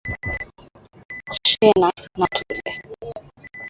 shina ta kule